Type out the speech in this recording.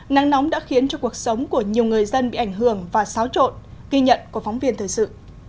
nắng nóng đã khiến cho cuộc sống của nhiều người dân bị ảnh hưởng và xáo trộn ghi nhận của phóng viên thời sự